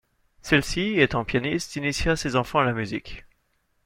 Celle-ci, étant pianiste, initia ses enfants à la musique.